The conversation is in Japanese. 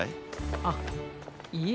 あっいえ。